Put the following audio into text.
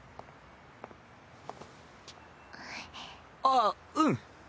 あっうん。